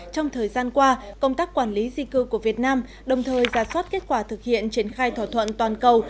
trong thời gian qua công tác quản lý di cư của việt nam đồng thời giả soát kết quả thực hiện triển khai thỏa thuận toàn cầu